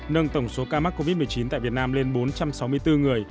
nâng tổng số ca mắc covid một mươi chín tại việt nam lên bốn trăm sáu mươi bốn người